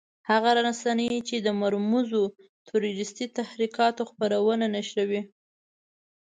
هغه رسنۍ چې د مرموزو تروريستي تحرکاتو خبرونه نشروي.